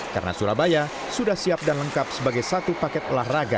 karena surabaya sudah siap dan lengkap sebagai satu paket pelah raga